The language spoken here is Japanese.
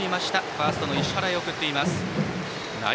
ファーストの石原へ送っています。